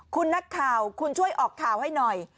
คุณนักข่าวคุณช่วยออกข่าวให้หน่อย